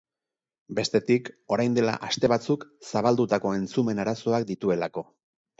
Bestetik, orain dela aste batzuk zabaldutako entzumen arazoak dituelako.